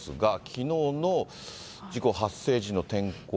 きのうの事故発生時の天候。